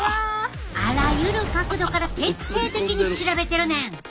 あらゆる角度から徹底的に調べてるねん。